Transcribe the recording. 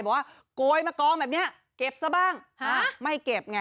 บอกว่าโกยมากองแบบนี้เก็บซะบ้างไม่เก็บไง